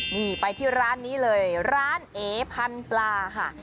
นี่ไปที่ร้านนี้เลยร้านเอพันปลาค่ะ